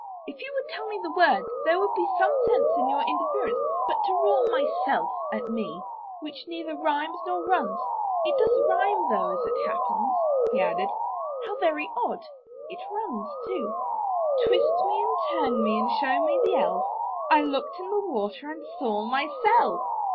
*Tf you would tell me the word there would be some sense in your interference; but to roar *Myself !' at me, which neither rhymes nor runs — it does rhyme, though, as it hap pens," he added: *'how very odd! it runs, too — Twist me and turn me and show me the Elf — I looked in the water and saw myself!'